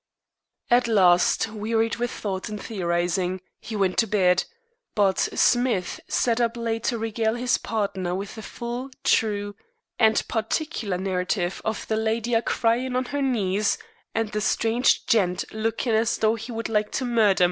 At last, wearied with thought and theorizing, he went to bed; but Smith sat up late to regale his partner with the full, true, and particular narrative of the "lydy a cryin' on her knees, and the strange gent lookin' as though he would like to murder Mr. White."